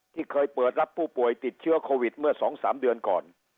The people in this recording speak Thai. ที่เคยเปิดรับผู้ป่วยติดเชื้อโควิดเมื่อ๒๓เดือนก่อน